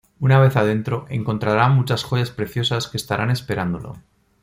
Una vez adentro, encontrará muchos joyas preciosas que estarán esperándolo.